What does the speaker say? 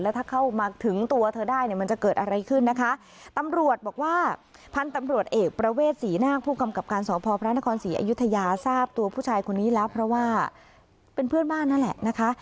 ถ้าเข้ามาถึงตัวเธอได้เนี่ยมันจะเกิดอะไรขึ้นนะคะตำรวจบอกว่าพันธุ์ตำรวจเอกประเวทศรีนาคผู้กำกับการสพพระนครศรีอยุธยาทราบตัวผู้ชายคนนี้แล้วเพราะว่าเป็นเพื่อนบ้านนั่นแหละนะคะ